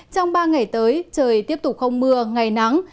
trong ba ngày tới trời tiếp tục không mưa ngày nắng